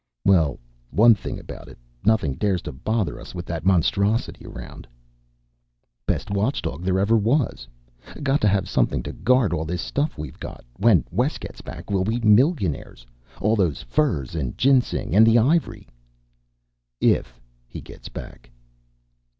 "Well, one thing about it, nothing dares to bother us with that monstrosity around." "Best watchdog there ever was. Got to have something to guard all this stuff we've got. When Wes gets back, we'll be millionaires. All those furs and ginseng and the ivory." "If he gets back."